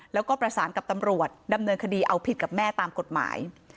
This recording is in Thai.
แล้วก็ประสานกับตำรวจดำเนินคดีเอาผิดกับแม่ตามกฎหมาย